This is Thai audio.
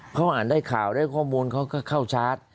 เขาอ่านได้ข่าวได้ข้อมูลเขาก็เข้าชาร์จ